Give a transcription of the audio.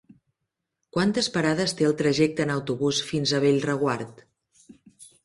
Quantes parades té el trajecte en autobús fins a Bellreguard?